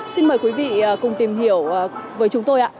xin mời quý vị cùng tìm hiểu với chúng tôi ạ